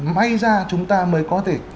may ra chúng ta mới có thể